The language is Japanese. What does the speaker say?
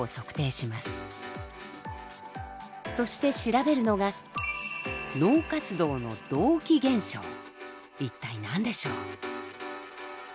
そして調べるのが一体何でしょう？